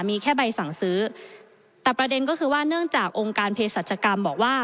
มีแค่ใบสั่งซื้อแต่ประเด็นก็คือว่าเนื่องจากองค์การเพศรัชกรรมบอกว่า